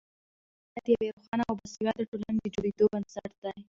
مطالعه د یوې روښانه او باسواده ټولنې د جوړېدو بنسټ دی.